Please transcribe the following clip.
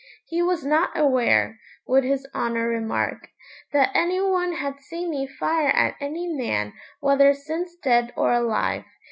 'He was not aware,' would his Honour remark, 'that any one had seen me fire at any man, whether since dead or alive.